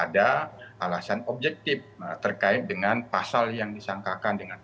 salam sehat selalu pak sugeng